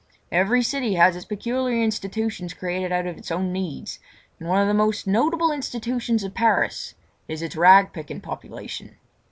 Every city has its peculiar institutions created out of its own needs; and one of the most notable institutions of Paris is its rag picking population.